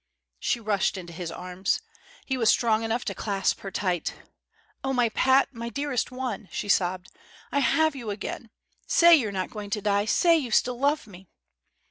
She rushed into his arms. He was strong enough to clasp her tight. "Oh, my Pat, my dearest one!" she sobbed. "I have you again! Say you're not going to die. Say you still love me!"